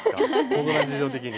大人の事情的に。